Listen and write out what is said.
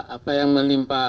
apa yang menimpa